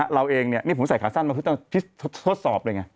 เราเองเนี่ยนี่ผมใส่ขาสั้นมาทดสอบเลยไง